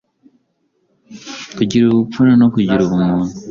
Kugira ubupfura no kugira ubumuntu,